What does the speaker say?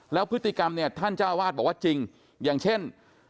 แล้วพฤติกรรมเนี่ยท่านเจ้าวาดบอกว่าจริงอย่างเช่น